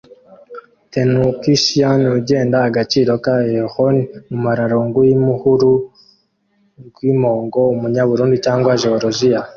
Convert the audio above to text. Kentuckian ugenda agaciro ka Elkhorn mumaguru yimpu-uruhu rwimpongo, Umunyaburundi cyangwa Jeworujiya,